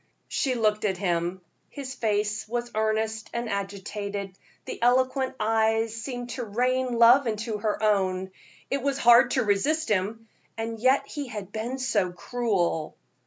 She looked at him. His face was earnest and agitated, the eloquent eyes seemed to rain love into her own. It was hard to resist him, and yet he had been so cruel.